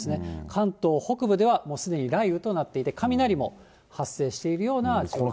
関東北部ではもうすでに雷雨となっていて、雷も発生しているような状況です。